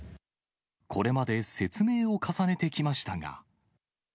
これまで説明を重ねてきましたが。